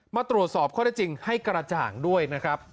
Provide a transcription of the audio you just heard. มาตรวจสอบข้อได้จริงให้กระจ่างด้วยนะครับ